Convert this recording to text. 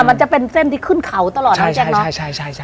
มันจะเป็นเส้นที่ขึ้นเขาตลอดนะพี่แจ๊คเนอะ